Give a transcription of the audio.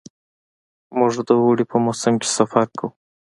موږ د اوړي په موسم کې سفر کوو.